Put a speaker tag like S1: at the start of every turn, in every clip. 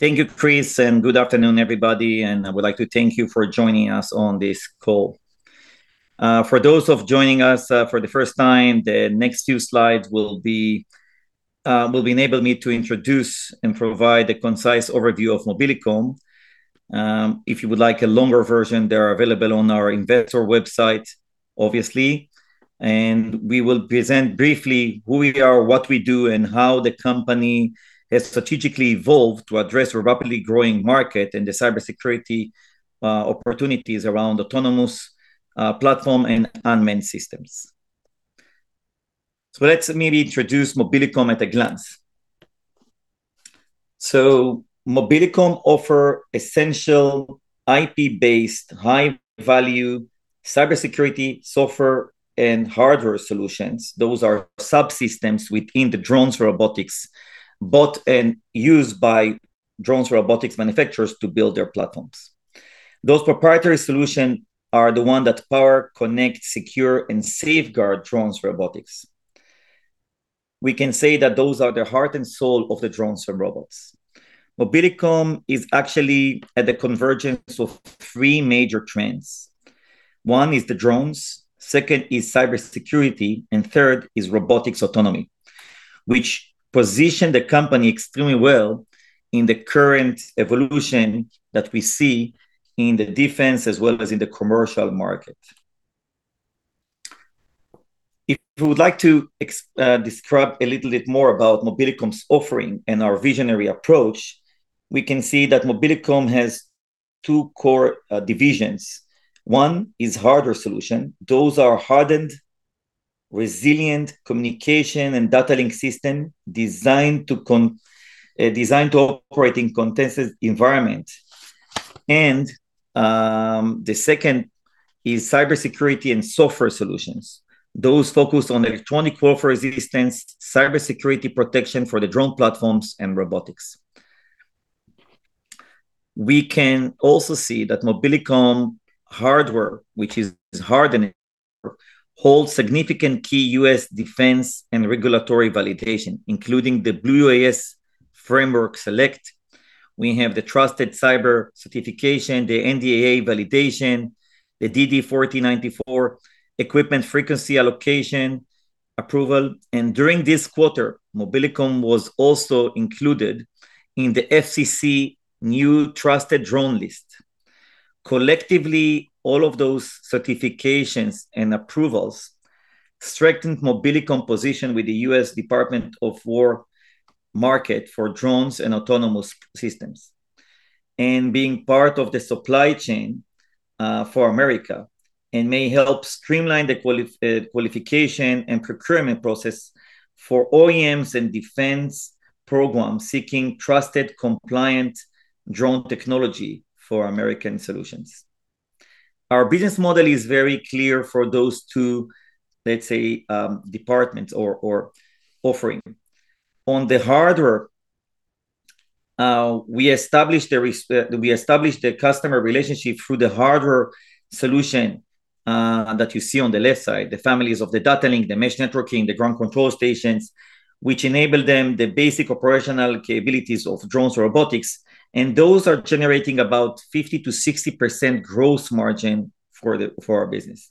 S1: Thank you, Chris, good afternoon, everybody, I would like to thank you for joining us on this call. For those of joining us for the first time, the next few slides will enable me to introduce and provide a concise overview of Mobilicom. If you would like a longer version, they are available on our investor website, obviously. We will present briefly who we are, what we do, and how the company has strategically evolved to address a rapidly growing market in the cybersecurity opportunities around autonomous platform and unmanned systems. Let me introduce Mobilicom at a glance. Mobilicom offer essential IP-based high-value cybersecurity software and hardware solutions. Those are subsystems within the drones robotics, bought and used by drones robotics manufacturers to build their platforms. Those proprietary solution are the one that power, connect, secure, and safeguard drones robotics. We can say that those are the heart and soul of the drones and robots. Mobilicom is actually at the convergence of three major trends. One is the drones, second is cybersecurity, and third is robotics autonomy, which position the company extremely well in the current evolution that we see in the defense, as well as in the commercial market. If you would like to describe a little bit more about Mobilicom's offering and our visionary approach, we can see that Mobilicom has two core divisions. One is hardware solution. Those are hardened, resilient communication and data link system designed to operate in contested environment. The second is cybersecurity and software solutions. Those focus on electronic warfare resistance, cybersecurity protection for the drone platforms and robotics. We can also see that Mobilicom hardware, which is hardened hardware, holds significant key U.S. defense and regulatory validation, including the Blue sUAS Framework. We have the Trusted Cyber Certification, the NDAA validation, the DD Form 1494 equipment frequency allocation approval. During this quarter, Mobilicom was also included in the FCC new Trusted Drone list. Collectively, all of those certifications and approvals strengthened Mobilicom position with the U.S. Department of Defense market for drones and autonomous systems, and being part of the supply chain, for America, and may help streamline the qualification and procurement process for OEMs and defense programs seeking trusted, compliant drone technology for American solutions. Our business model is very clear for those two, let's say, departments or offering. On the hardware, we established the customer relationship through the hardware solution that you see on the left side, the families of the data link, the mesh networking, the ground control stations, which enable them the basic operational capabilities of drones robotics. Those are generating about 50%-60% gross margin for our business,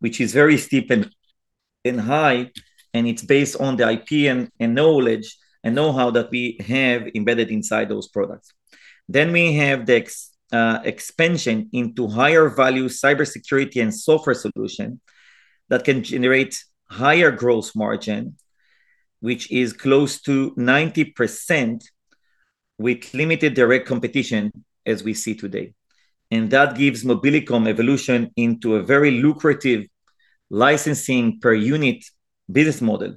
S1: which is very steep and high, and it's based on the IP and knowledge and knowhow that we have embedded inside those products. We have the expansion into higher value cybersecurity and software solution that can generate higher gross margin, which is close to 90% with limited direct competition as we see today. That gives Mobilicom evolution into a very lucrative licensing per unit business model.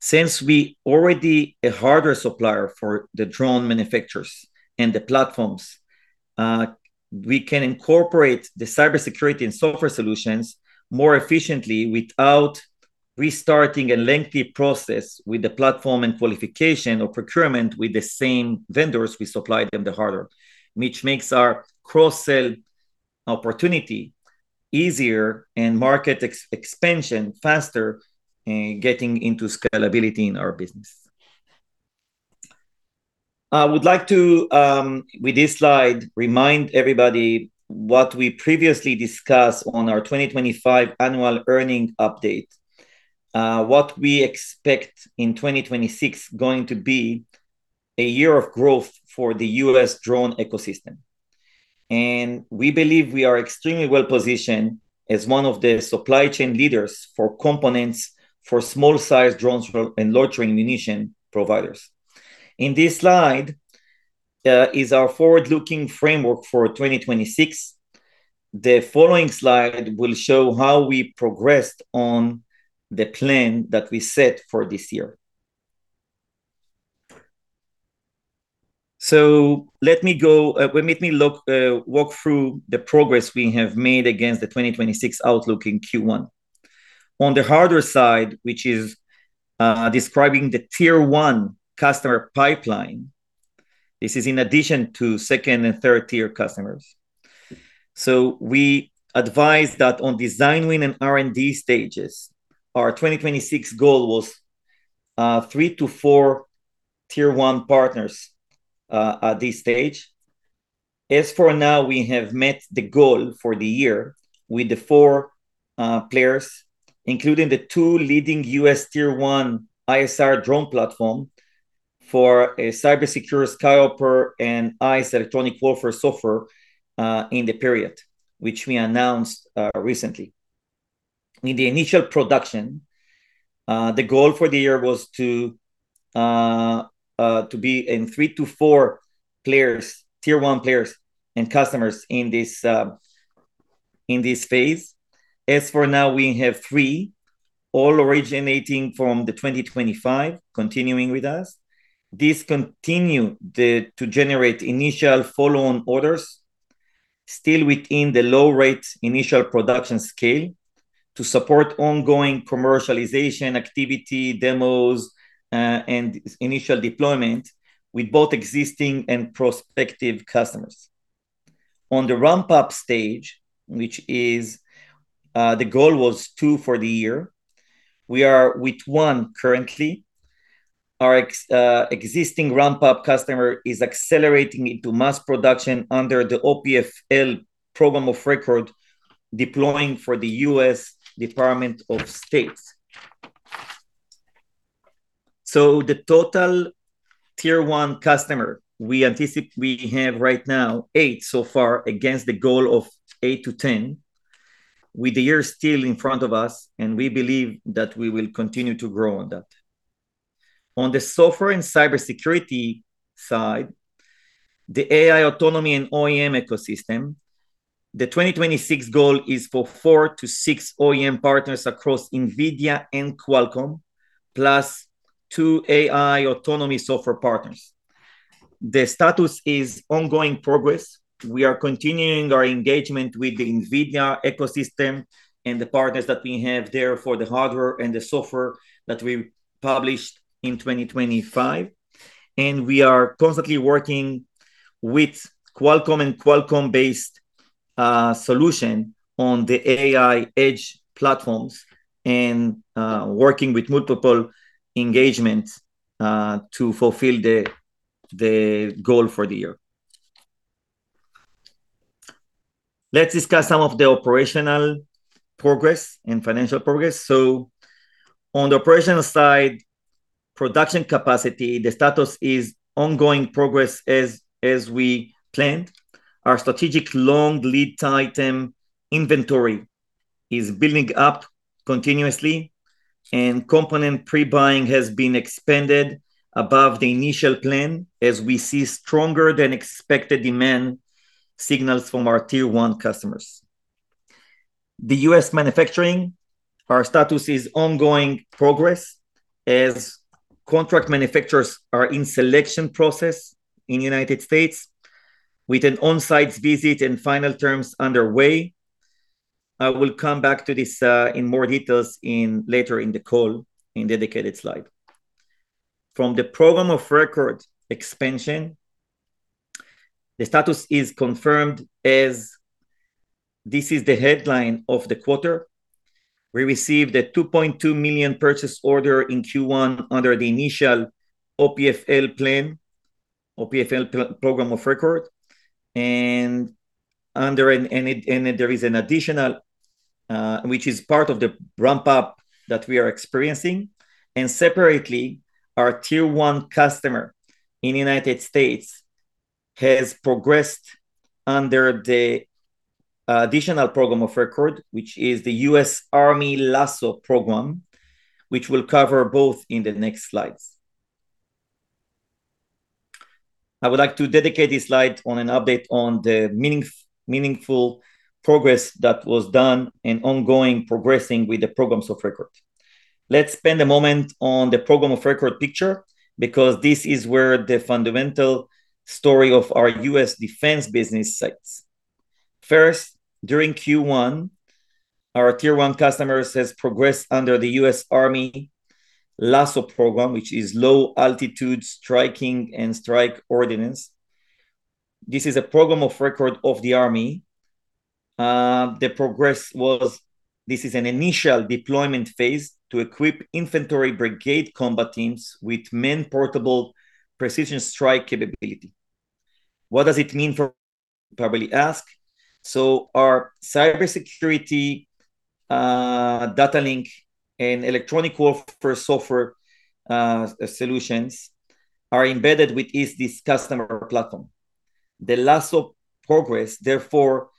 S1: Since we already a hardware supplier for the drone manufacturers and the platforms, we can incorporate the cybersecurity and software solutions more efficiently without restarting a lengthy process with the platform and qualification or procurement with the same vendors we supplied them the hardware, which makes our cross-sell opportunity easier and market expansion faster in getting into scalability in our business. I would like to, with this slide, remind everybody what we previously discussed on our 2025 annual earning update, what we expect in 2026 going to be a year of growth for the U.S. drone ecosystem. We believe we are extremely well-positioned as one of the supply chain leaders for components for small-sized drones and larger ammunition providers. In this slide is our forward-looking framework for 2026. The following slide will show how we progressed on the plan that we set for this year. Let me walk through the progress we have made against the 2026 outlook in Q1. On the hardware side, which is describing the Tier 1 customer pipeline. This is in addition to second and 3-Tier customers. We advise that on design win and R&D stages, our 2026 goal was three to four Tier 1 partners at this stage. As for now, we have met the goal for the year with the four players, including the two leading U.S.Tier 1 ISR drone platform for a cybersecurity SkyHopper and ICE electronic warfare software in the period, which we announced recently. In the initial production, the goal for the year was to be in three to four Tier 1 players and customers in this phase. As for now, we have three, all originating from the 2025 continuing with us. These continue to generate initial follow-on orders still within the low rate initial production scale to support ongoing commercialization activity demos, and initial deployment with both existing and prospective customers. On the ramp-up stage, which is the goal was two for the year. We are with one currently. Our existing ramp-up customer is accelerating into mass production under the OPF-L program of record, deploying for the U.S. Department of Defense. The total Tier 1 customer we have right now, eight so far, against the goal of eight to 10, with the year still in front of us. We believe that we will continue to grow on that. On the software and cybersecurity side, the AI autonomy and OEM ecosystem, the 2026 goal is for four to six OEM partners across NVIDIA and Qualcomm, plus two AI autonomy software partners. The status is ongoing progress. We are continuing our engagement with the NVIDIA ecosystem and the partners that we have there for the hardware and the software that we published in 2025. We are constantly working with Qualcomm and Qualcomm-based solution on the AI edge platforms and working with multiple engagements to fulfill the goal for the year. Let's discuss some of the operational progress and financial progress. On the operational side, production capacity, the status is ongoing progress as we planned. Our strategic long lead time inventory is building up continuously, and component pre-buying has been expanded above the initial plan, as we see stronger than expected demand signals from our Tier 1 customers. The U.S. manufacturing, our status is ongoing progress as contract manufacturers are in selection process in United States with an on-site visit and final terms underway. I will come back to this in more details later in the call in dedicated slide. From the program of record expansion, the status is confirmed as this is the headline of the quarter. We received a $2.2 million purchase order in Q1 under the initial OPF-L plan, OPF-L program of record. There is an additional, which is part of the ramp-up that we are experiencing. Separately, our Tier 1 customer in the U.S. has progressed under the additional program of record, which is the U.S. Army LASSO program, which we'll cover both in the next slides. I would like to dedicate this slide on an update on the meaningful progress that was done and ongoing progressing with the programs of record. Let's spend a moment on the program of record picture, because this is where the fundamental story of our U.S. defense business sits. First, during Q1, our Tier 1 customer has progressed under the U.S. Army LASSO program, which is Low Altitude Stalking and Strike Ordnance. This is a program of record of the Army. The progress was this is an initial deployment phase to equip infantry brigade combat teams with man-portable precision strike capability. What does it mean for Mobilicom? Our cybersecurity, data link, and electronic warfare software solutions are embedded with each this customer platform. The LASSO progress, therefore,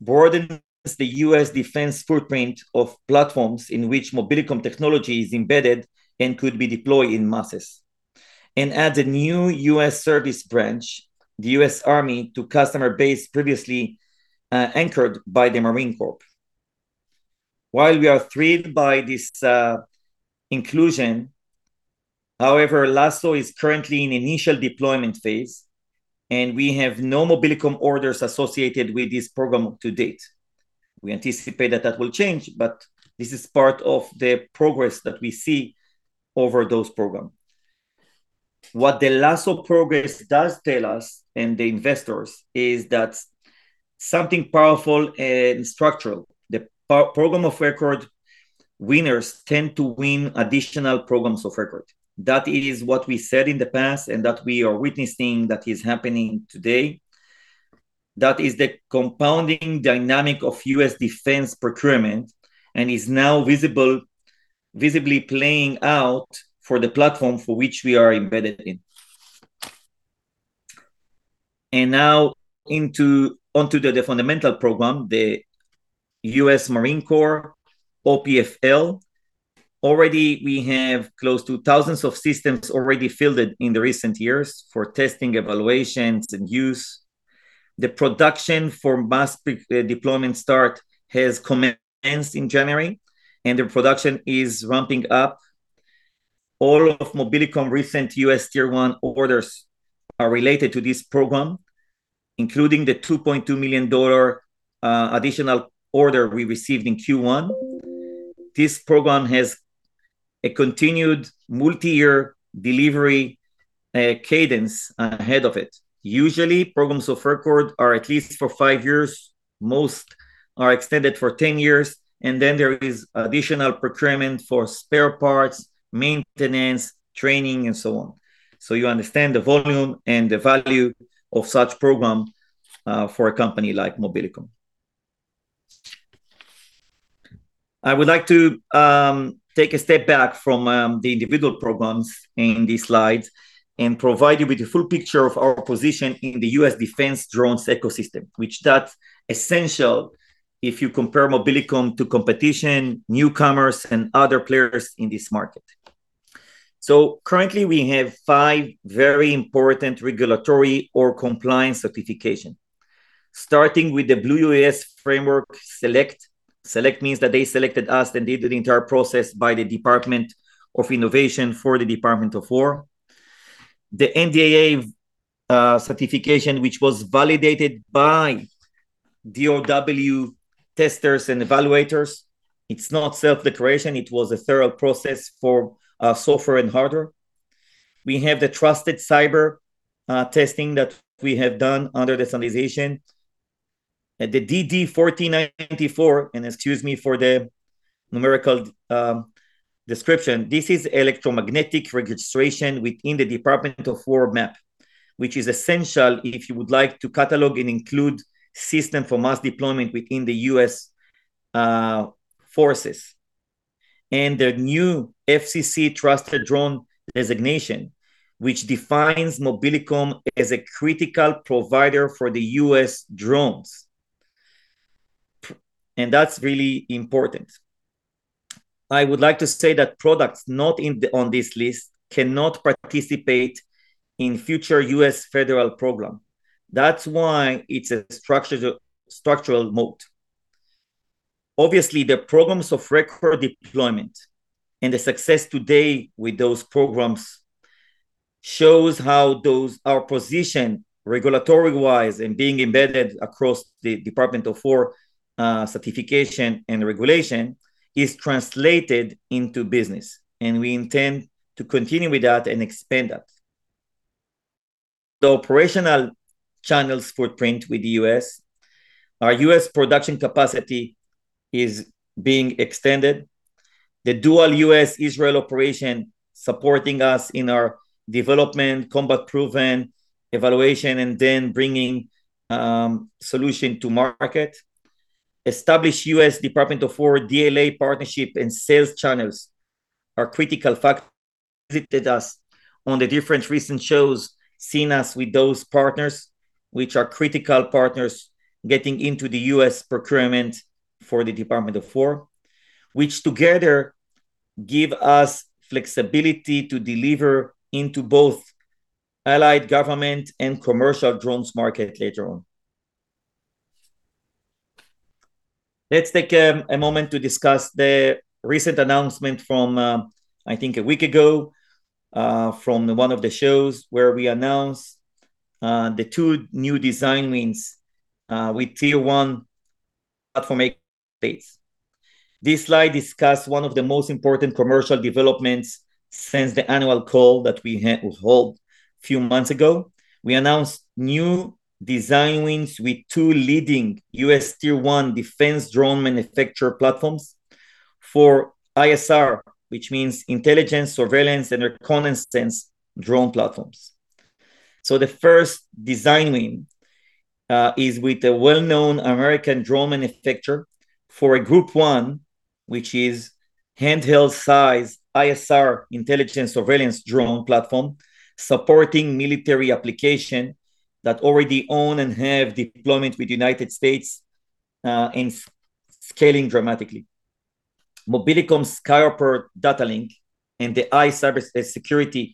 S1: broadens the U.S. Defense footprint of platforms in which Mobilicom technology is embedded and could be deployed in masses, and adds a new U.S. service branch, the U.S. Army, to customer base previously anchored by the Marine Corps. While we are thrilled by this inclusion, however, LASSO is currently in initial deployment phase, and we have no Mobilicom orders associated with this program to date. We anticipate that that will change, but this is part of the progress that we see over those program. What the LASSO of progress does tell us and the investors is that something powerful and structural, the program of record winners tend to win additional programs of record. That is what we said in the past and that we are witnessing that is happening today. That is the compounding dynamic of U.S. defense procurement and is now visibly playing out for the platform for which we are embedded in. Now onto the fundamental program, the U.S. Marine Corps OPF-L. Already, we have close to thousands of systems already fielded in the recent years for testing evaluations and use. The production for mass deployment start has commenced in January, and the production is ramping up. All of Mobilicom recent U.S. Tier 1 orders are related to this program, including the $2.2 million additional order we received in Q1. This program has a continued multi-year delivery cadence ahead of it. Usually, programs of record are at least for five years. Most are extended for 10 years, there is additional procurement for spare parts, maintenance, training, and so on. You understand the volume and the value of such program for a company like Mobilicom. I would like to take a step back from the individual programs in these slides and provide you with the full picture of our position in the U.S. defense drones ecosystem, which that's essential if you compare Mobilicom to competition, newcomers, and other players in this market. Currently, we have five very important regulatory or compliance certification, starting with the Blue sUAS Framework select. Select means that they selected us and did the entire process by the Defense Innovation Unit for the Department of Defense. The NDAA certification, which was validated by DoD testers and evaluators. It's not self-declaration. It was a thorough process for software and hardware. We have the trusted cyber testing that we have done under the standardization. The DD Form 1494, excuse me for the numerical description, this is electromagnetic registration within the Department of Defense map, which is essential if you would like to catalog and include system for mass deployment within the U.S. forces. The new FCC Trusted Drone designation, which defines Mobilicom as a critical provider for the U.S. drones, that's really important. I would like to say that products not on this list cannot participate in future U.S. federal program. That's why it's a structural moat. Obviously, the programs of record deployment and the success today with those programs shows how our position regulatory-wise and being embedded across the Department of Defense certification and regulation is translated into business, and we intend to continue with that and expand that. The operational channels footprint with the U.S. Our U.S. production capacity is being extended. The dual U.S.-Israel operation supporting us in our development, combat-proven evaluation, and then bringing solution to market. Established U.S. Department of Defense DLA partnership and sales channels are critical factor visited us on the different recent shows, seen us with those partners, which are critical partners getting into the U.S. procurement for the Department of Defense, which together give us flexibility to deliver into both allied government and commercial drones market later on. Let's take a moment to discuss the recent announcement from, I think, a week ago, from one of the shows where we announced the two new design wins, with Tier 1 platform makers. This slide discussed one of the most important commercial developments since the annual call that we had, well, held a few months ago. We announced new design wins with two leading U.S. Tier 1 defense drone manufacturer platforms for ISR, which means intelligence, surveillance, and reconnaissance drone platforms. The first design win is with a well-known American drone manufacturer for a Group 1, which is handheld size ISR intelligence surveillance drone platform, supporting military application that already own and have deployment with United States, and scaling dramatically. Mobilicom SkyHopper data link and the iService security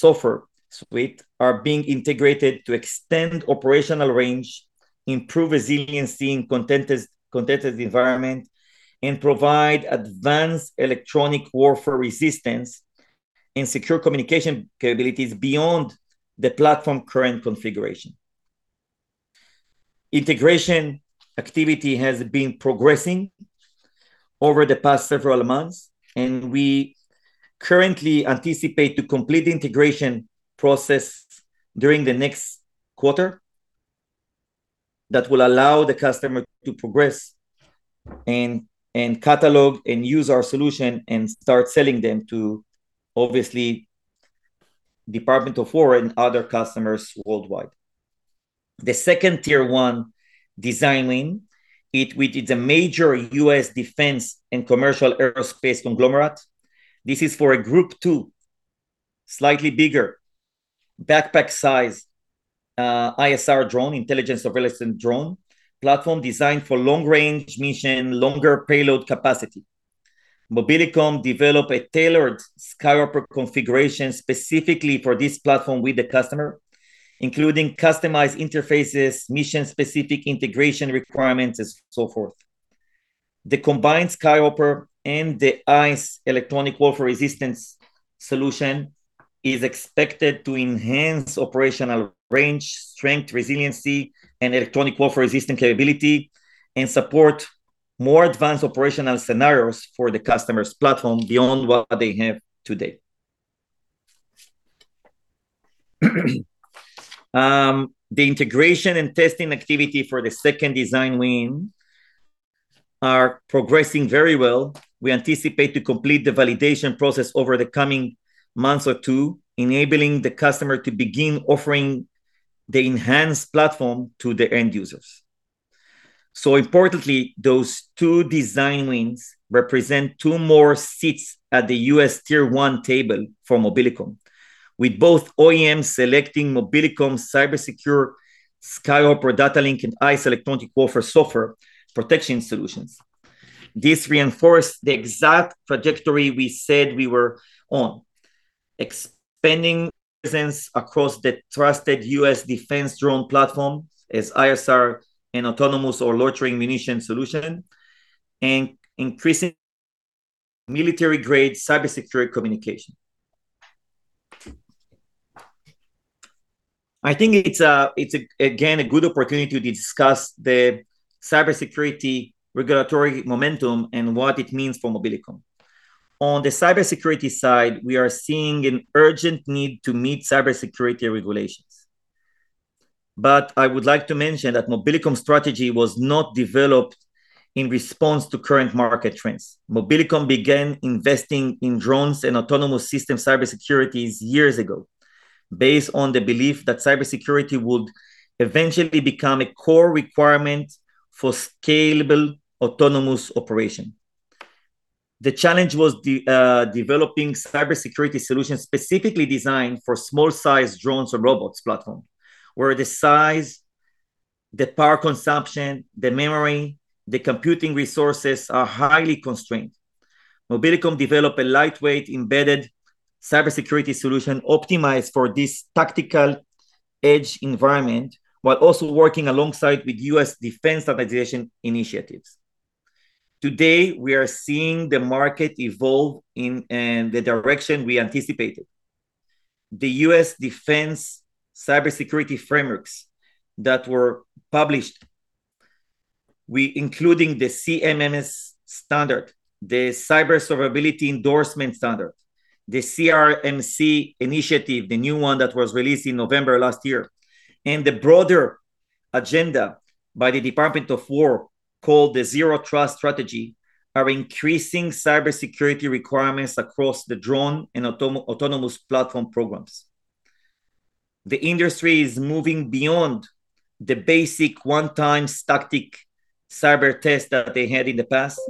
S1: software suite are being integrated to extend operational range, improve resiliency in contested environment, and provide advanced electronic warfare resistance and secure communication capabilities beyond the platform current configuration. Integration activity has been progressing over the past several months, and we currently anticipate to complete the integration process during the next quarter that will allow the customer to progress and catalog and use our solution and start selling them to, obviously, Department of War and other customers worldwide. The second Tier 1 design win, it's a major U.S. defense and commercial aerospace conglomerate. This is for a Group 2, slightly bigger, backpack-sized ISR drone, intelligence surveillance and drone platform designed for long-range mission, longer payload capacity. Mobilicom developed a tailored SkyHopper configuration specifically for this platform with the customer, including customized interfaces, mission-specific integration requirements, and so forth. The combined SkyHopper and the ICE electronic warfare resistance solution is expected to enhance operational range, strength, resilience, and electronic warfare resistance capability and support more advanced operational scenarios for the customer's platform beyond what they have today. The integration and testing activity for the second design win are progressing very well. We anticipate to complete the validation process over the coming months or two, enabling the customer to begin offering the enhanced platform to the end users. Importantly, those two design wins represent two more seats at the U.S. Tier 1 table for Mobilicom, with both OEMs selecting Mobilicom's cyber secure SkyHopper data link and ICE electronic warfare software protection solutions. This reinforced the exact trajectory we said we were on, expanding presence across the trusted U.S. defense drone platform as ISR and autonomous or loitering munition solution and increasing military-grade cybersecurity communication. I think it's, again, a good opportunity to discuss the cybersecurity regulatory momentum and what it means for Mobilicom. On the cybersecurity side, we are seeing an urgent need to meet cybersecurity regulations. I would like to mention that Mobilicom's strategy was not developed in response to current market trends. Mobilicom began investing in drones and autonomous system cybersecurity years ago based on the belief that cybersecurity would eventually become a core requirement for scalable autonomous operation. The challenge was developing cybersecurity solutions specifically designed for small-sized drones or robotics platform, where the size, the power consumption, the memory, the computing resources are highly constrained. Mobilicom developed a lightweight, embedded cybersecurity solution optimized for this tactical edge environment, while also working alongside with U.S. defense standardization initiatives. Today, we are seeing the market evolve in the direction we anticipated. The U.S. Defense cybersecurity frameworks that were published, including the CMMC standard, the Cyber Survivability Endorsement Standard, the CSRMC initiative, the new one that was released in November last year, and the broader agenda by the Department of Defense called the Zero Trust Strategy, are increasing cybersecurity requirements across the drone and autonomous platform programs. The industry is moving beyond the basic one-time static cyber test that they had in the past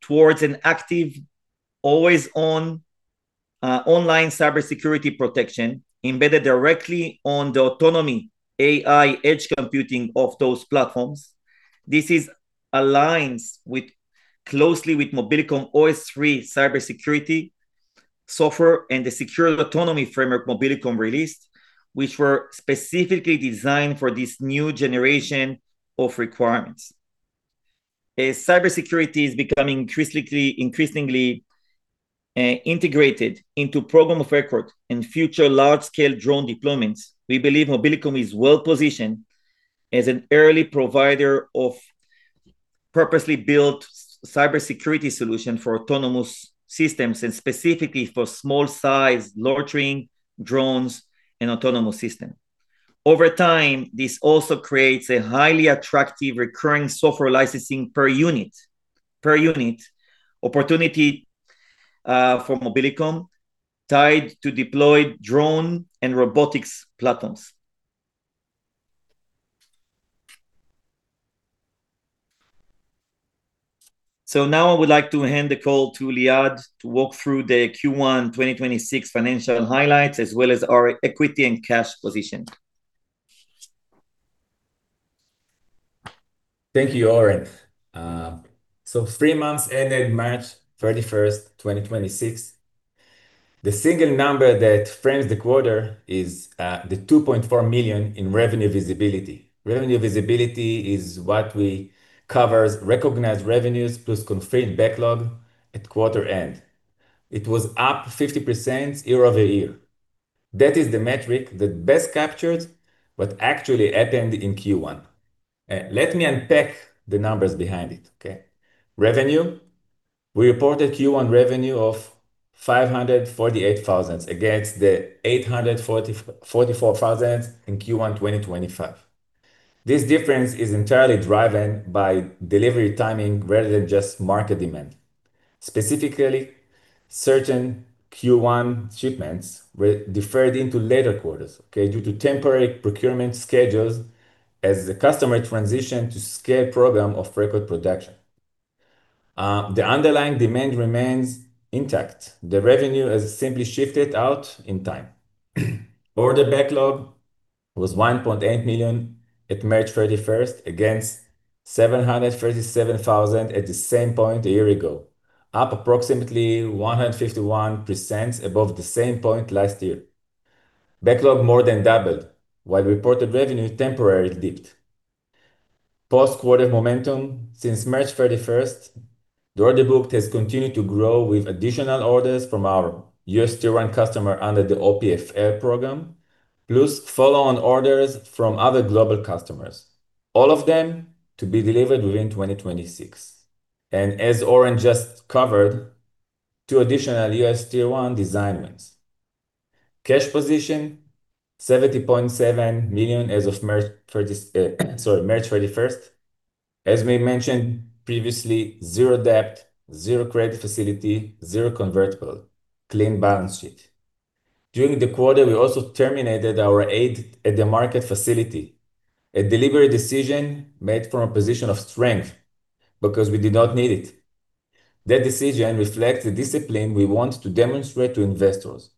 S1: towards an active, always-on online cybersecurity protection embedded directly on the autonomy AI edge computing of those platforms. This aligns closely with Mobilicom OS3 cybersecurity software and the Secured Autonomy Framework Mobilicom released, which were specifically designed for this new generation of requirements. As cybersecurity is becoming increasingly integrated into program of record and future large-scale drone deployments, we believe Mobilicom is well-positioned as an early provider of purposely built cybersecurity solution for autonomous systems and specifically for small-sized loitering drones and autonomous system. Over time, this also creates a highly attractive recurring software licensing per unit opportunity for Mobilicom tied to deployed drone and robotics platforms. Now I would like to hand the call to Liad to walk through the Q1 2026 financial highlights, as well as our equity and cash position.
S2: Thank you, Oren. Three months ended March 31st, 2026. The single number that frames the quarter is the $2.4 million in revenue visibility. Revenue visibility is what we covers recognized revenues plus confirmed backlog at quarter end. It was up 50% year-over-year. That is the metric that best captures what actually happened in Q1. Let me unpack the numbers behind it. Revenue. We reported Q1 revenue of $548,000 against the $844,000 in Q1 2025. This difference is entirely driven by delivery timing rather than just market demand. Specifically, certain Q1 shipments were deferred into later quarters, okay, due to temporary procurement schedules as the customer transitioned to scale program of record production. The underlying demand remains intact. The revenue has simply shifted out in time. Order backlog was $1.8 million at March 31st, against $737,000 at the same point a year ago, up approximately 151% above the same point last year. Backlog more than doubled while reported revenue temporarily dipped. Post-quarter momentum since March 31st, the order book has continued to grow with additional orders from our U.S. Tier One customer under the OPF program, plus follow-on orders from other global customers, all of them to be delivered within 2026. As Oren just covered, two additional U.S. Tier One design wins. Cash position, $70.7 million as of March 31st. As we mentioned previously, zero debt, zero credit facility, zero convertible, clean balance sheet. During the quarter, we also terminated our at-the-market facility, a deliberate decision made from a position of strength because we did not need it. That decision reflects the discipline we want to demonstrate to investors.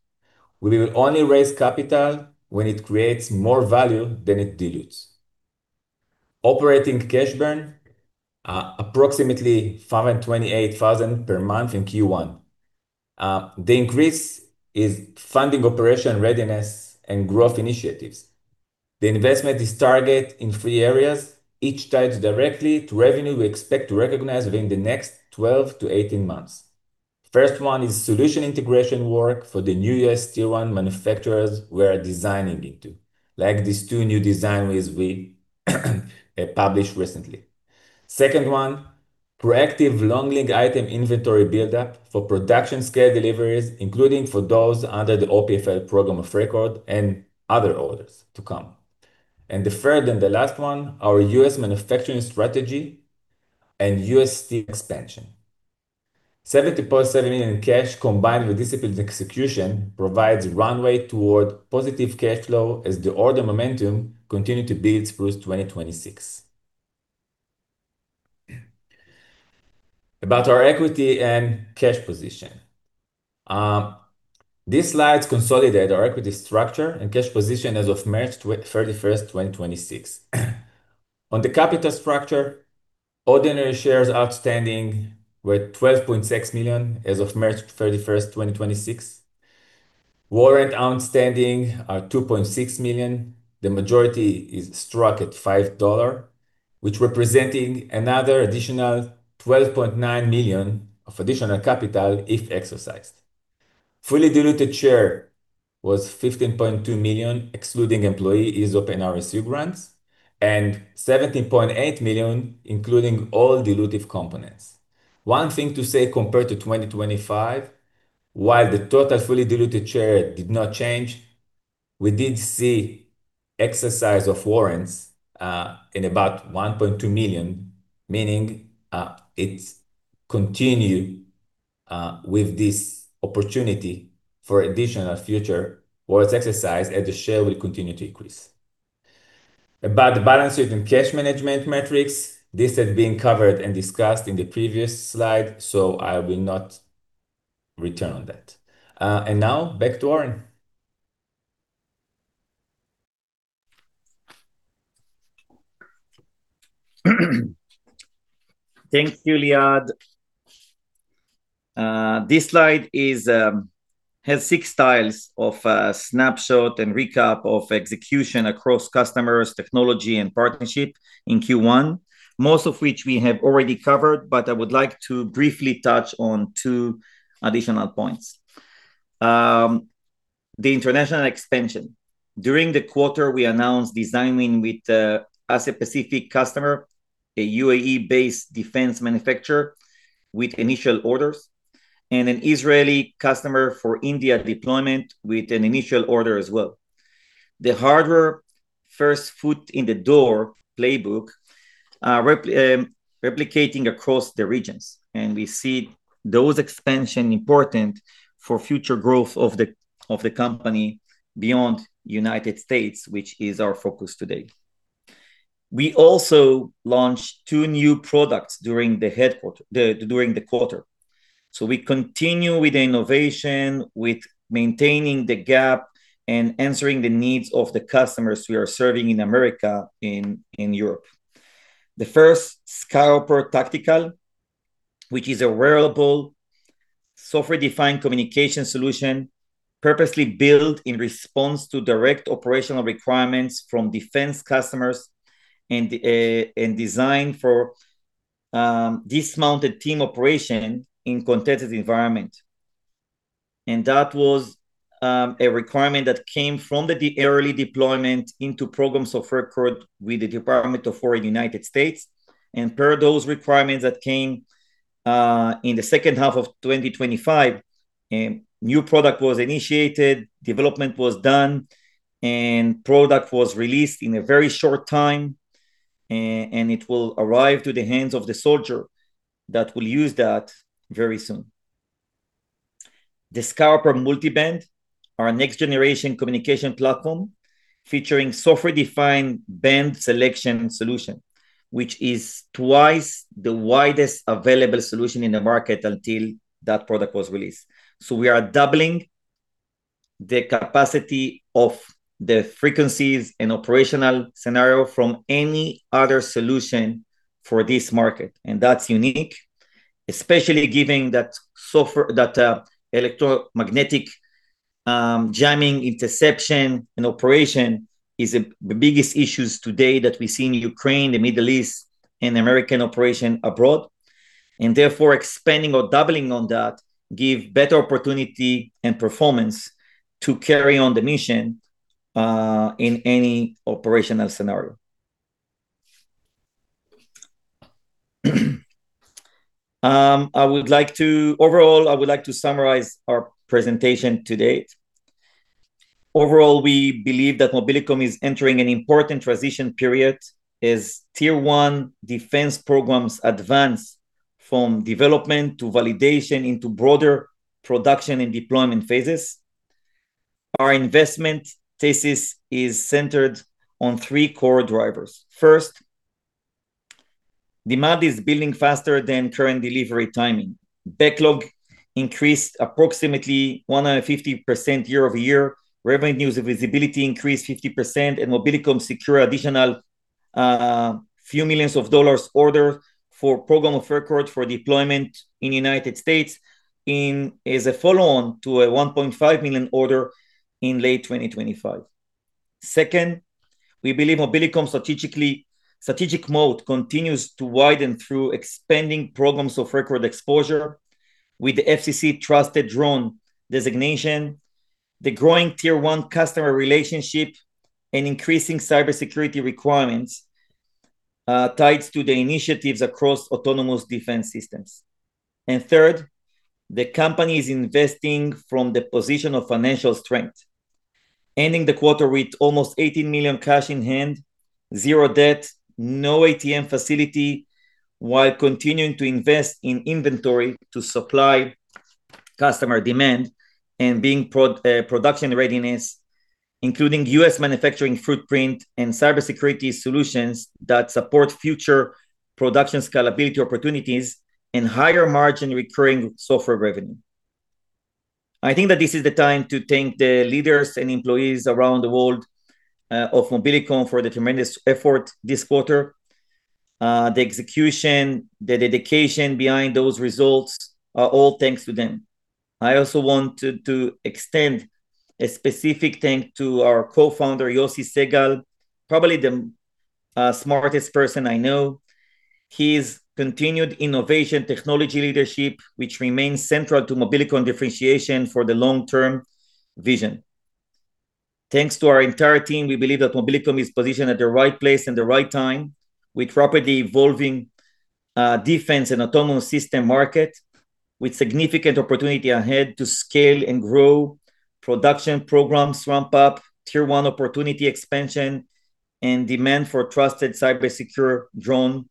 S2: We will only raise capital when it creates more value than it dilutes. Operating cash burn, approximately $528,000 per month in Q1. The increase is funding operation readiness and growth initiatives. The investment is targeted in three areas, each tied directly to revenue we expect to recognize within the next 12-18 months. First one is solution integration work for the new U.S. Tier 1 manufacturers we are designing into, like these two new design wins we published recently. Second one, proactive long-lead item inventory buildup for production scale deliveries, including for those under the OPF program of record and other orders to come. The third and the last one, our U.S. manufacturing strategy and UST expansion. $17.7 million in cash, combined with disciplined execution, provides runway toward positive cash flow as the order momentum continue to build through 2026. About our equity and cash position. These slides consolidate our equity structure and cash position as of March 31st, 2026. Capital structure, ordinary shares outstanding were 12.6 million as of March 31st, 2026. Warrants outstanding are 2.6 million. The majority is struck at $5, which representing another additional 12.9 million of additional capital if exercised. Fully diluted share was 15.2 million, excluding employee ESOP and RSU grants, and 17.8 million, including all dilutive components. One thing to say compared to 2025, while the total fully diluted share did not change, we did see exercise of warrants in about 1.2 million, meaning it continue with this opportunity for additional future warrants exercise as the share will continue to increase. Balance sheet and cash management metrics, this has been covered and discussed in the previous slide. I will not return on that. Now back to Oren.
S1: Thank you, Liad. This slide has six tiles of a snapshot and recap of execution across customers, technology, and partnership in Q1, most of which we have already covered, but I would like to briefly touch on two additional points. The international expansion. During the quarter, we announced design win with an Asia Pacific customer, a UAE-based defense manufacturer with initial orders, and an Israeli customer for India deployment with an initial order as well. The hardware first foot in the door playbook replicating across the regions, we see those expansion important for future growth of the company beyond United States, which is our focus today. We also launched two new products during the quarter. We continue with innovation, with maintaining the gap and answering the needs of the customers we are serving in America, in Europe. The first, SkyHopper Tactical, which is a wearable software-defined communication solution purposely built in response to direct operational requirements from defense customers and designed for dismounted team operation in contested environment. That was a requirement that came from the early deployment into programs of record with the Department of Defense. Per those requirements that came in the second half of 2025, a new product was initiated, development was done, and product was released in a very short time, and it will arrive to the hands of the soldier that will use that very soon. The SkyHopper multiband, our next generation communication platform featuring software-defined band selection solution, which is twice the widest available solution in the market until that product was released. We are doubling the capacity of the frequencies and operational scenario from any other solution for this market. That's unique, especially giving that software, that electromagnetic jamming interception and operation is the biggest issues today that we see in Ukraine, the Middle East, and American operation abroad. Therefore, expanding or doubling on that give better opportunity and performance to carry on the mission in any operational scenario. I would like to summarize our presentation to date. We believe that Mobilicom is entering an important transition period as Tier 1 defense programs advance from development to validation into broader production and deployment phases. Our investment thesis is centered on three core drivers. First, demand is building faster than current delivery timing. Backlog increased approximately 150% year-over-year. Revenues visibility increased 50%. Mobilicom secure additional few millions of dollars order for program of record for deployment in United States as a follow-on to a $1.5 million order in late 2025. Second, we believe Mobilicom strategic moat continues to widen through expanding programs of record exposure with the FCC trusted drone designation, the growing Tier 1 customer relationship, and increasing cybersecurity requirements tied to the initiatives across autonomous defense systems. Third, the company is investing from the position of financial strength, ending the quarter with almost $18 million cash in hand, zero debt, no ATM facility, while continuing to invest in inventory to supply customer demand and being production readiness, including U.S. manufacturing footprint and cybersecurity solutions that support future production scalability opportunities, and higher margin recurring software revenue. I think that this is the time to thank the leaders and employees around the world of Mobilicom for the tremendous effort this quarter. The execution, the dedication behind those results are all thanks to them. I also want to extend a specific thank to our co-founder, Yossi Segal, probably the smartest person I know. His continued innovation technology leadership, which remains central to Mobilicom differentiation for the long-term vision. Thanks to our entire team, we believe that Mobilicom is positioned at the right place and the right time, with rapidly evolving defense and autonomous system market, with significant opportunity ahead to scale and grow production programs ramp up, Tier 1 opportunity expansion, and demand for trusted cybersecure drone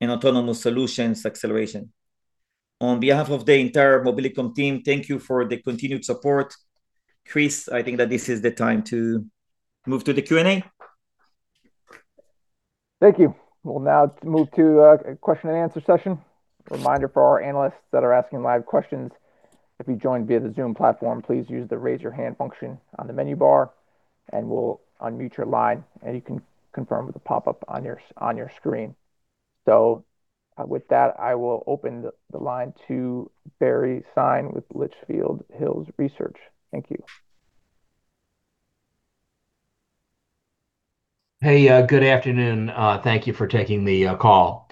S1: and autonomous solutions acceleration. On behalf of the entire Mobilicom team, thank you for the continued support. Chris, I think that this is the time to move to the Q&A.
S3: Thank you. We'll now move to a question and answer session. Reminder for our analysts that are asking live questions, if you joined via the Zoom platform, please use the raise your hand function on the menu bar, and we'll unmute your line, and you can confirm with the pop-up on your screen. With that, I will open the line to Barry Sine with Litchfield Hills Research. Thank you.
S4: Hey, good afternoon. Thank you for taking the call.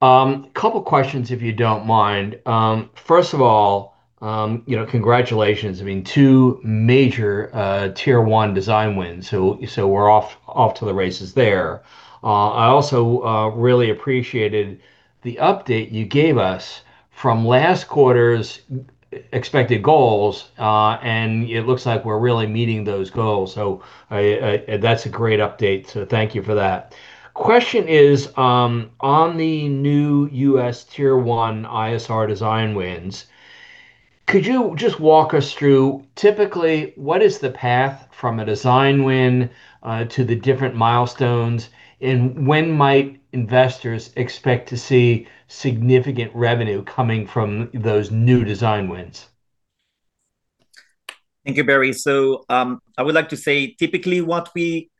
S4: Couple questions, if you don't mind. First of all, congratulations. Two major Tier 1 design wins, so we're off to the races there. I also really appreciated the update you gave us from last quarter's expected goals, and it looks like we're really meeting those goals. That's a great update, so thank you for that. Question is, on the new U.S. Tier 1 ISR design wins, could you just walk us through, typically, what is the path from a design win to the different milestones, and when might investors expect to see significant revenue coming from those new design wins?
S1: Thank you, Barry. I would like to say typically what we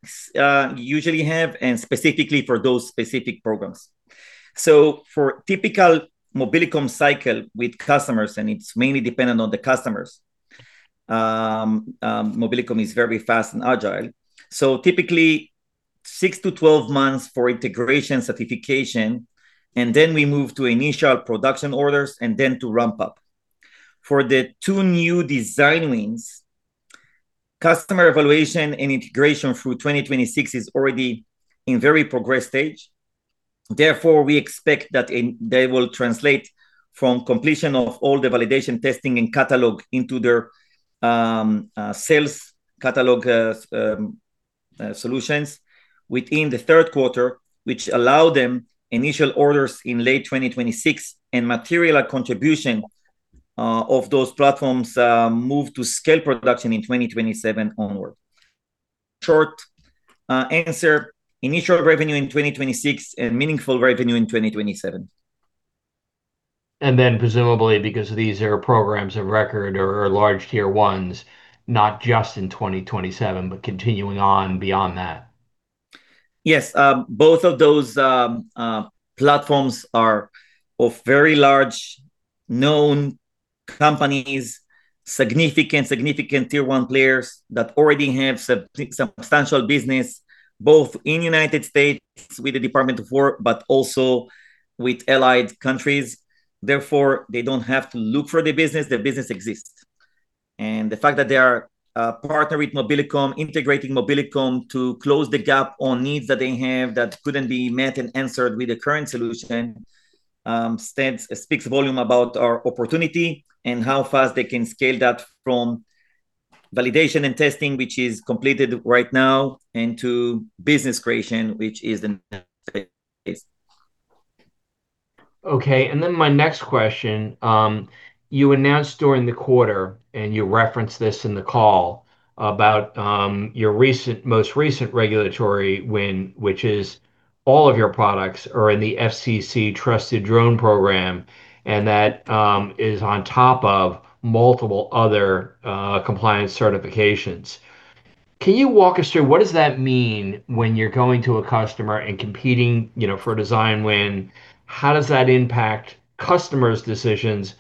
S1: usually have and specifically for those specific programs. For typical Mobilicom cycle with customers, and it's mainly dependent on the customers. Mobilicom is very fast and agile. Typically, 6-12 months for integration certification, and then we move to initial production orders, and then to ramp up. For the two new design wins, customer evaluation and integration through 2026 is already in very progress stage. Therefore, we expect that they will translate from completion of all the validation testing and catalog into their sales catalog solutions within the third quarter, which allow them initial orders in late 2026, and material contribution of those platforms move to scale production in 2027 onward. Short answer, initial revenue in 2026 and meaningful revenue in 2027.
S4: Presumably because these are programs of record or are large Tier 1s, not just in 2027, but continuing on beyond that.
S1: Yes. Both of those platforms are of very large known companies, significant Tier 1 players that already have substantial business, both in U.S. with the Department of Defense, but also with allied countries. They don't have to look for the business. The business exists. The fact that they are a partner with Mobilicom, integrating Mobilicom to close the gap on needs that they have that couldn't be met and answered with the current solution, speaks volume about our opportunity and how fast they can scale that from validation and testing, which is completed right now, into business creation, which is the next phase.
S4: My next question. You announced during the quarter, and you referenced this in the call, about your most recent regulatory win, which is all of your products are in the FCC Trusted Drone Program, and that is on top of multiple other compliance certifications. Can you walk us through what does that mean when you're going to a customer and competing for a design win? How does that impact customers' decisions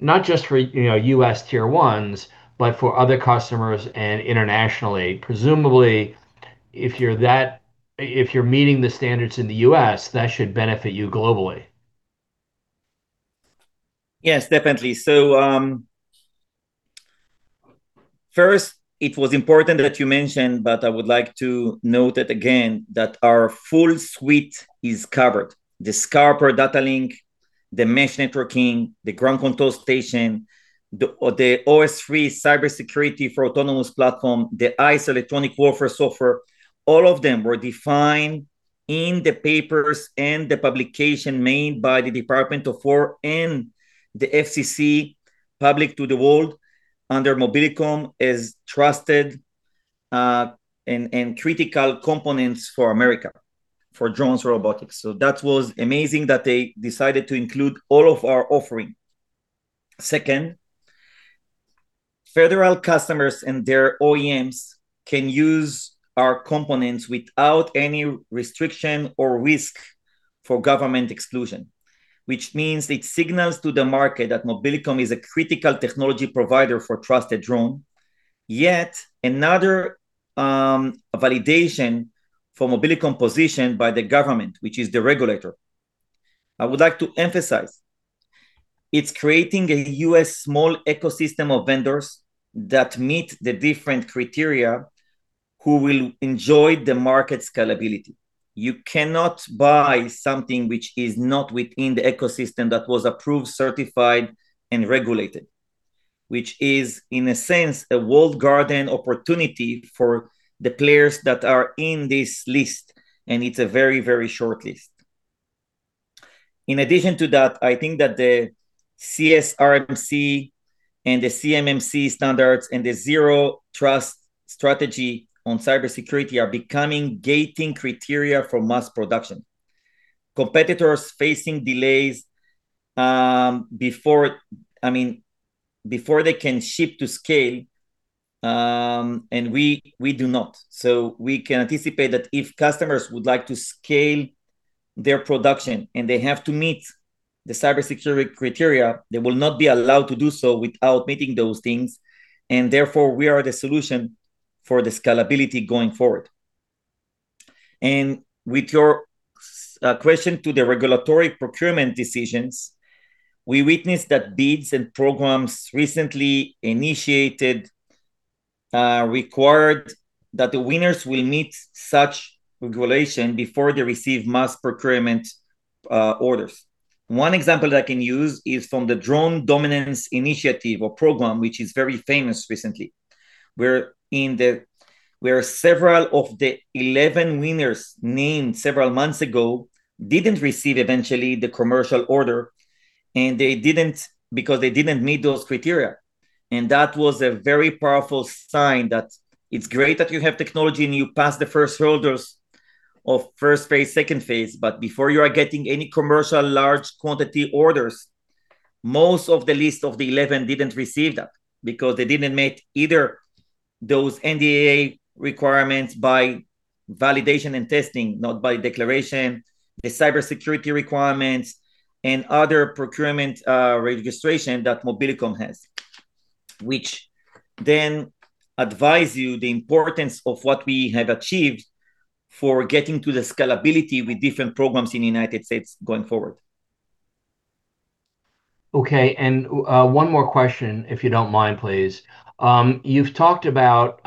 S4: not just for U.S. tier ones, but for other customers and internationally? Presumably, if you're meeting the standards in the U.S., that should benefit you globally.
S1: Yes, definitely. First, it was important that you mentioned, but I would like to note it again, that our full suite is covered. The SkyHopper data link, the MCU Mesh Networking, the Mobile Ground Control Stations, the OS3 cybersecurity for autonomous platform, the ICE electronic warfare software, all of them were defined in the papers and the publication made by the Department of Defense and the FCC public to the world under Mobilicom as trusted and critical components for America for drones robotics. That was amazing that they decided to include all of our offering. Second, federal customers and their OEMs can use our components without any restriction or risk for government exclusion, which means it signals to the market that Mobilicom is a critical technology provider for trusted drone. Yet another validation for Mobilicom position by the government, which is the regulator. I would like to emphasize, it's creating a U.S. small ecosystem of vendors that meet the different criteria who will enjoy the market scalability. You cannot buy something which is not within the ecosystem that was approved, certified and regulated, which is, in a sense, a walled garden opportunity for the players that are in this list, and it's a very short list. In addition to that, I think that the CSRMC and the CMMC standards and the Zero Trust Strategy on cybersecurity are becoming gating criteria for mass production. Competitors facing delays before they can ship to scale, and we do not. We can anticipate that if customers would like to scale their production and they have to meet the cybersecurity criteria, they will not be allowed to do so without meeting those things, and therefore, we are the solution for the scalability going forward. With your question to the regulatory procurement decisions, we witnessed that bids and programs recently initiated required that the winners will meet such regulation before they receive mass procurement orders. One example that I can use is from the Drone Dominance Initiative or program, which is very famous recently, where several of the 11 winners named several months ago didn't receive eventually the commercial order, and they didn't because they didn't meet those criteria. That was a very powerful sign that it's great that you have technology and you pass the first holders of first phase, second phase. Before you are getting any commercial large quantity orders, most of the list of the 11 didn't receive that because they didn't meet those NDA requirements by validation and testing, not by declaration, the cybersecurity requirements, and other procurement registration that Mobilicom has, which then advise you the importance of what we have achieved for getting to the scalability with different programs in the United States going forward.
S4: One more question, if you don't mind, please. You've talked about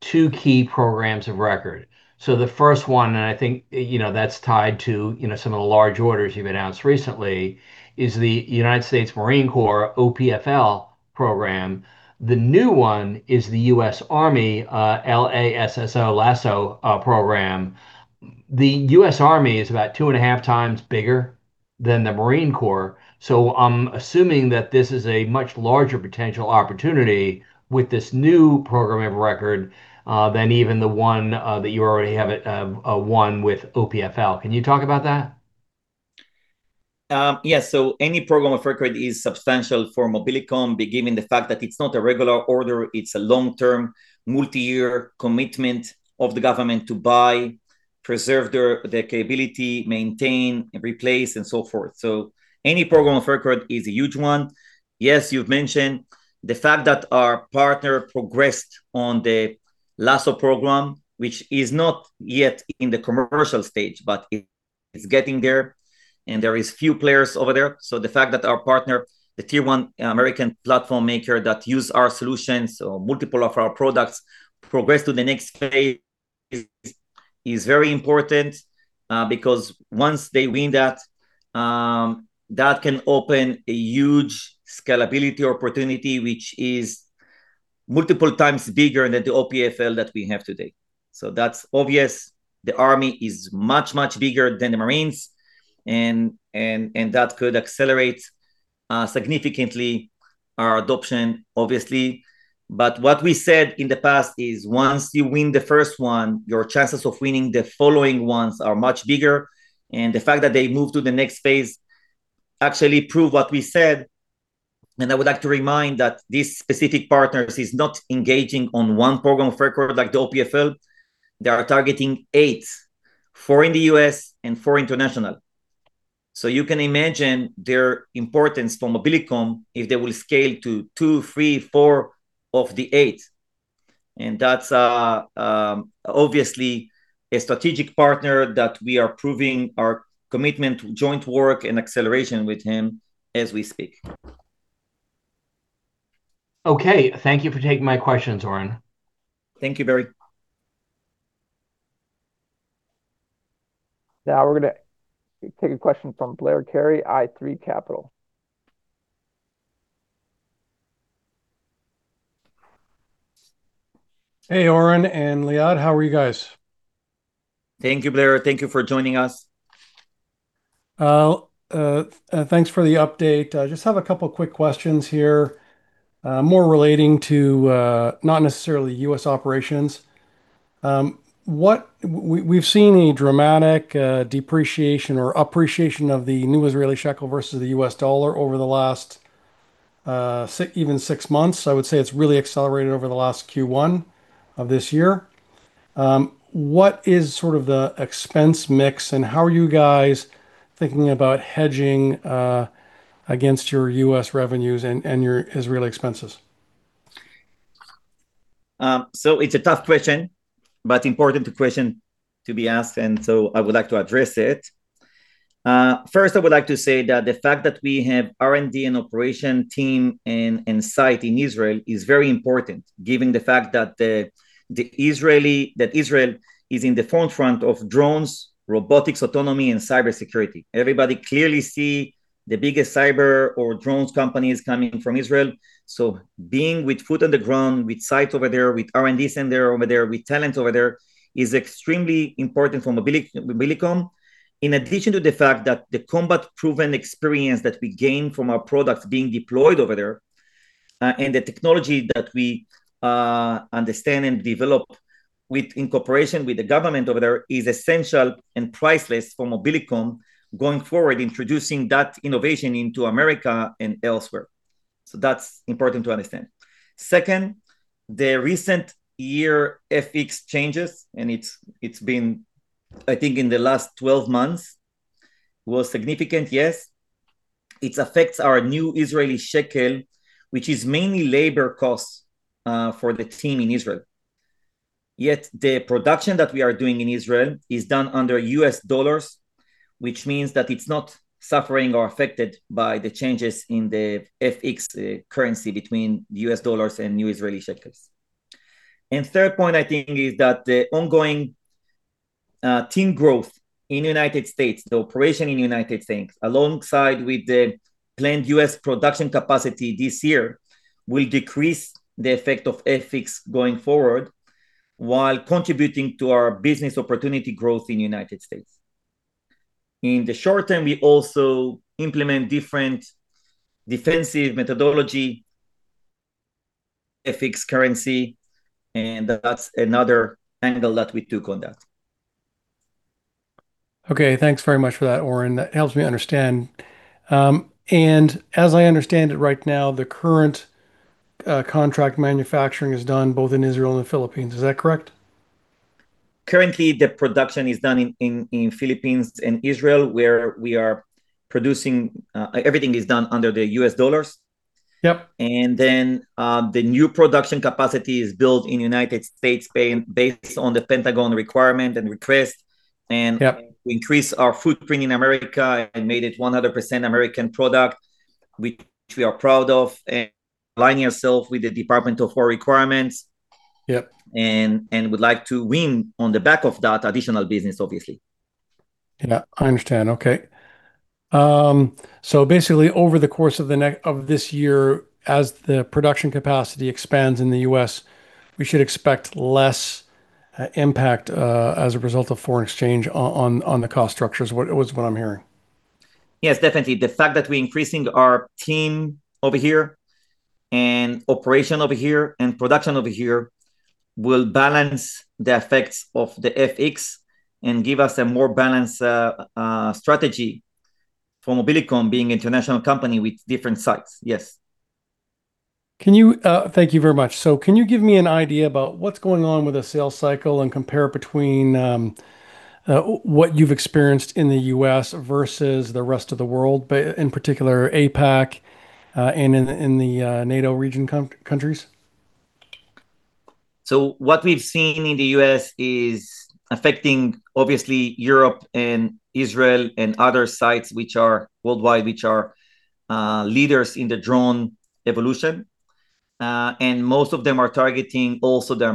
S4: two key programs of record. The first one, and I think that's tied to some of the large orders you've announced recently, is the U.S. Marine Corps OPF-L program. The new one is the U.S. Army LASSO program. The U.S. Army is about two and a half times bigger than the Marine Corps, I'm assuming that this is a much larger potential opportunity with this new program of record than even the one that you already have won with OPF-L. Can you talk about that?
S1: Any program of record is substantial for Mobilicom, given the fact that it's not a regular order, it's a long-term, multi-year commitment of the government to buy, preserve their capability, maintain, replace, and so forth. Any program of record is a huge one. You've mentioned the fact that our partner progressed on the LASSO program, which is not yet in the commercial stage, but it's getting there, and there is few players over there. The fact that our partner, the Tier 1 American platform maker that use our solutions or multiple of our products, progress to the next phase is very important. Once they win that can open a huge scalability opportunity, which is multiple times bigger than the OPF-L that we have today. That's obvious. The U.S. Army is much, much bigger than the Marine Corps, that could accelerate significantly our adoption, obviously. What we said in the past is once you win the first one, your chances of winning the following ones are much bigger. The fact that they move to the next phase actually prove what we said. I would like to remind that these specific partners is not engaging on one program of record like the OPF-L. They are targeting eight, four in the U.S., and four international. You can imagine their importance for Mobilicom if they will scale to two, three, four of the eight. That's obviously a strategic partner that we are proving our commitment to joint work and acceleration with him as we speak.
S4: Okay. Thank you for taking my questions, Oren.
S1: Thank you Barry.
S3: Now we're going to take a question from Blair Carey, i3 Capital.
S5: Hey, Oren and Liad. How are you guys?
S1: Thank you, Blair. Thank you for joining us.
S5: Thanks for the update. I just have a couple of quick questions here, more relating to not necessarily U.S. operations. We've seen a dramatic depreciation or appreciation of the new Israeli shekel versus the U.S. dollar over the last even six months. I would say it's really accelerated over the last Q1 of this year. What is sort of the expense mix, and how are you guys thinking about hedging against your U.S. revenues and your Israel expenses?
S1: It's a tough question, but important question to be asked, and so I would like to address it. First, I would like to say that the fact that we have R&D and operation team and insight in Israel is very important given the fact that Israel is in the forefront of drones, robotics, autonomy, and cybersecurity. Everybody clearly see the biggest cyber or drones companies coming from Israel. Being with foot on the ground, with sites over there, with R&D center over there, with talent over there, is extremely important for Mobilicom, in addition to the fact that the combat-proven experience that we gain from our products being deployed over there, and the technology that we understand and develop in cooperation with the government over there is essential and priceless for Mobilicom going forward, introducing that innovation into America and elsewhere. That's important to understand. Second, the recent year FX changes, it's been, I think, in the last 12 months, was significant, yes. It affects our new Israeli shekel, which is mainly labor cost for the team in Israel. Yet the production that we are doing in Israel is done under US dollars, which means that it's not suffering or affected by the changes in the FX currency between the US dollars and new Israeli shekels. Third point, I think, is that the ongoing team growth in United States, the operation in United States, alongside with the planned U.S. production capacity this year, will decrease the effect of FX going forward while contributing to our business opportunity growth in United States. In the short term, we also implement different defensive methodology, FX currency, and that's another angle that we took on that.
S5: Okay. Thanks very much for that, Oren. That helps me understand. As I understand it right now, the current contract manufacturing is done both in Israel and the Philippines. Is that correct?
S1: Currently, the production is done in Philippines and Israel, where everything is done under the US dollars.
S5: Yep.
S1: The new production capacity is built in United States based on the Pentagon requirement and request.
S5: Yep.
S1: We increase our footprint in America and made it 100% American product, which we are proud of, and aligning ourselves with the Department of Defense requirements.
S5: Yep.
S1: Would like to win on the back of that additional business, obviously.
S5: Yeah, I understand. Okay. Basically, over the course of this year, as the production capacity expands in the U.S., we should expect less impact as a result of foreign exchange on the cost structures, was what I'm hearing.
S1: Yes, definitely. The fact that we increasing our team over here, and operation over here, and production over here will balance the effects of the FX and give us a more balanced strategy for Mobilicom being international company with different sites. Yes.
S5: Thank you very much. Can you give me an idea about what's going on with the sales cycle and compare between what you've experienced in the U.S. versus the rest of the world, but in particular APAC, and in the NATO region countries?
S1: What we've seen in the U.S. is affecting obviously Europe and Israel and other sites which are worldwide, which are leaders in the drone evolution. Most of them are targeting also the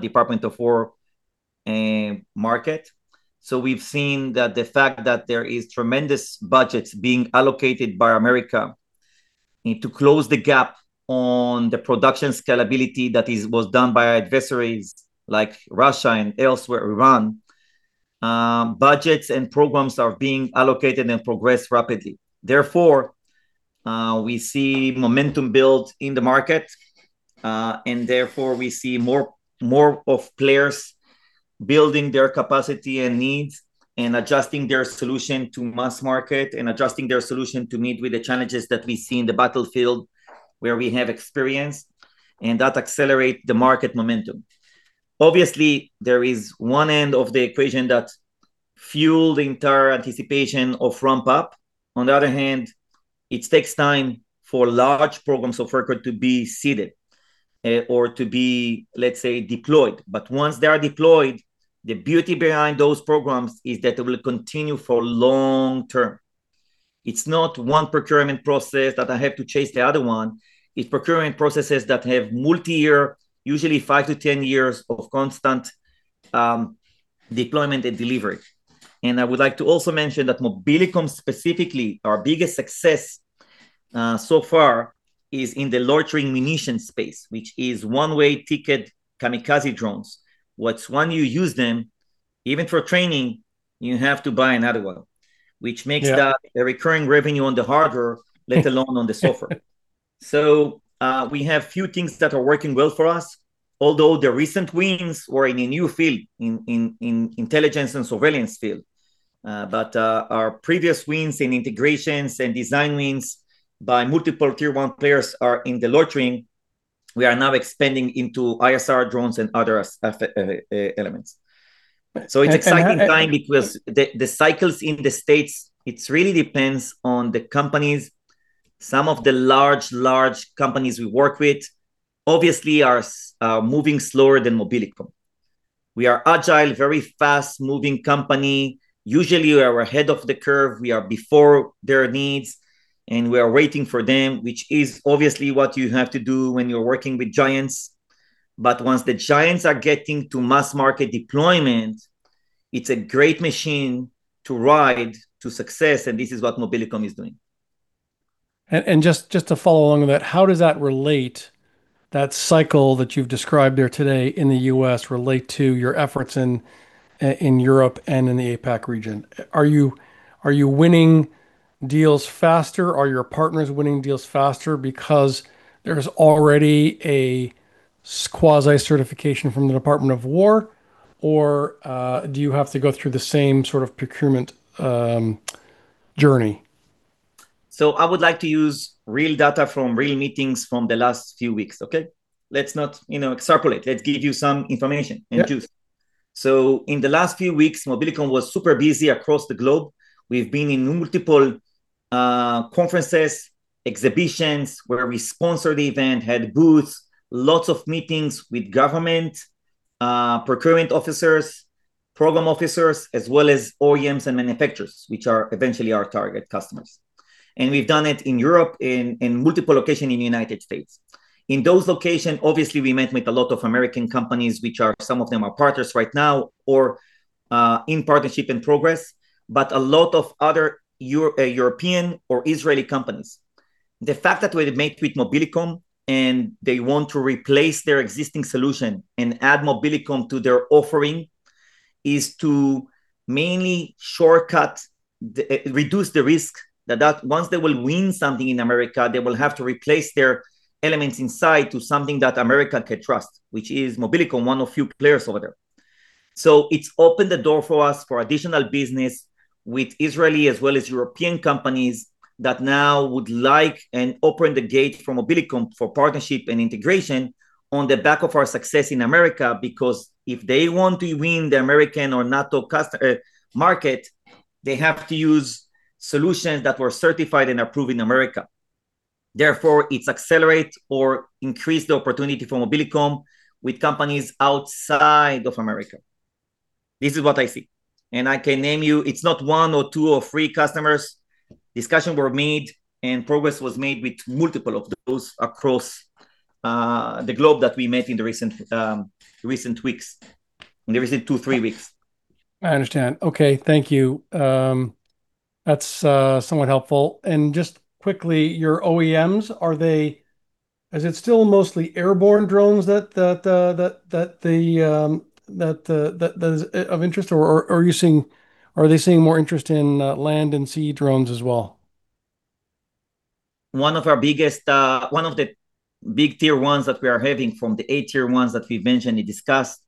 S1: Department of Defense market. We've seen that the fact that there is tremendous budgets being allocated by the U.S. need to close the gap on the production scalability that was done by our adversaries like Russia and elsewhere, Iran. Budgets and programs are being allocated and progress rapidly. Therefore, we see momentum build in the market, and therefore we see more of players building their capacity and needs and adjusting their solution to mass market and adjusting their solution to meet with the challenges that we see in the battlefield where we have experience. That accelerate the market momentum. Obviously, there is one end of the equation that fuel the entire anticipation of ramp up. Once they are deployed, the beauty behind those programs is that they will continue for long term. It's not one procurement process that I have to chase the other one. It's procurement processes that have multi-year, usually 5-10 years of constant deployment and delivery. I would like to also mention that Mobilicom specifically, our biggest success so far is in the loitering munition space, which is one-way ticket kamikaze drones. Once you use them, even for training, you have to buy another one.
S5: Yeah
S1: The recurring revenue on the hardware, let alone on the software. We have few things that are working well for us, although the recent wins were in a new field, in intelligence and surveillance field. Our previous wins in integrations and design wins by multiple Tier 1 players are in the loitering. We are now expanding into ISR drones and other elements. It is exciting time because the cycles in the U.S., it really depends on the companies. Some of the large companies we work with obviously are moving slower than Mobilicom. We are agile, very fast-moving company. Usually, we are ahead of the curve. We are before their needs, and we are waiting for them, which is obviously what you have to do when you are working with giants. Once the giants are getting to mass market deployment, it's a great machine to ride to success, and this is what Mobilicom is doing.
S5: Just to follow along with that, how does that relate, that cycle that you've described there today in the U.S. relate to your efforts in Europe and in the APAC region? Are you winning deals faster? Are your partners winning deals faster because there's already a quasi-certification from the Department of Defense? Or do you have to go through the same sort of procurement journey?
S1: I would like to use real data from real meetings from the last few weeks, okay? Let's not extrapolate. Let's give you some information and truth.
S5: Yeah.
S1: In the last few weeks, Mobilicom was super busy across the globe. We've been in multiple conferences, exhibitions where we sponsored the event, had booths, lots of meetings with government procurement officers, program officers, as well as OEMs and manufacturers, which are eventually our target customers. We've done it in Europe, in multiple location in U.S. In those location, obviously we met with a lot of American companies, which some of them are partners right now or in partnership and progress, but a lot of other European or Israeli companies. The fact that we met with Mobilicom and they want to replace their existing solution and add Mobilicom to their offering is to mainly Reduce the risk that once they will win something in America, they will have to replace their elements inside to something that America can trust, which is Mobilicom, one of few players over there. It's opened the door for us for additional business with Israeli as well as European companies that now would like and open the gate for Mobilicom for partnership and integration on the back of our success in America. Because if they want to win the American or NATO market, they have to use solutions that were certified and approved in America. Therefore, it accelerate or increase the opportunity for Mobilicom with companies outside of America. This is what I see. I can name you, it's not one or two or three customers. Discussion were made and progress was made with multiple of those across the globe that we met in the recent weeks, in the recent two, three weeks.
S5: I understand. Okay. Thank you. That's somewhat helpful. Just quickly, your OEMs, is it still mostly airborne drones that is of interest, or are they seeing more interest in land and sea drones as well?
S1: One of the big Tier 1s that we are having from the A Tier 1s that we mentioned and discussed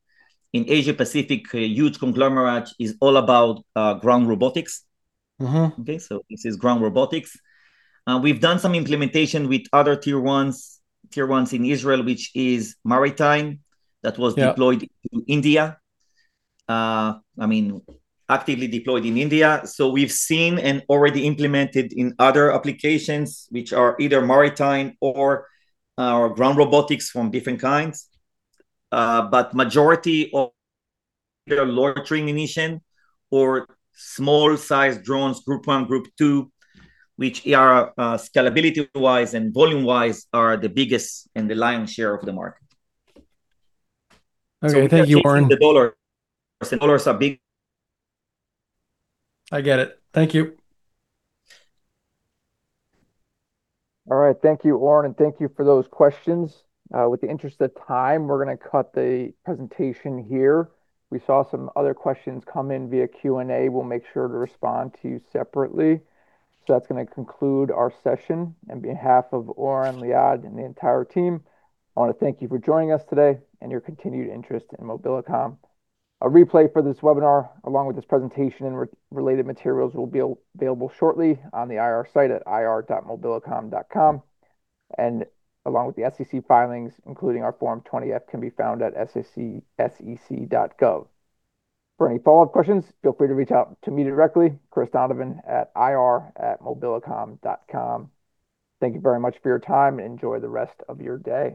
S1: in Asia Pacific, a huge conglomerate, is all about ground robotics. Okay, this is ground robotics. We've done some implementation with other Tier 1 in Israel, which is maritime.
S5: Yeah
S1: Deployed to India. I mean, actively deployed in India. We've seen and already implemented in other applications, which are either maritime or ground robotics from different kinds. Majority of loitering munition or small-sized drones, Group 1, Group 2, which are scalability-wise and volume-wise are the biggest and the lion's share of the market.
S5: Okay. Thank you, Oren.
S1: If you're chasing the dollar, dollars are big.
S5: I get it. Thank you.
S3: All right. Thank you, Oren, and thank you for those questions. With the interest of time, we're going to cut the presentation here. We saw some other questions come in via Q&A. We'll make sure to respond to you separately. That's going to conclude our session. On behalf of Oren, Liad, and the entire team, I want to thank you for joining us today and your continued interest in Mobilicom. A replay for this webinar, along with this presentation and related materials, will be available shortly on the IR site at ir.mobilicom.com. Along with the SEC filings, including our Form 20-F can be found at sec.gov. For any follow-up questions, feel free to reach out to me directly, Chris Donovan at ir@mobilicom.com. Thank you very much for your time, and enjoy the rest of your day.